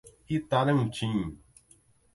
Itarantim